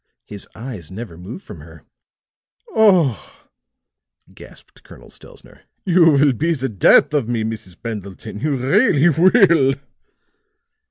His eyes never move from her." "Oh," gasped Colonel Stelzner, "you will be the death of me, Mrs. Pendleton; you really will!"